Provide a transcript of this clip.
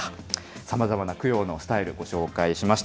さまざまな供養のスタイル、ご紹介しました。